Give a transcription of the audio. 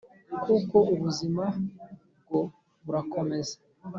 kuko ubuzima bwo burakomeza